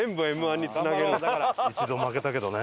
一度負けたけどね。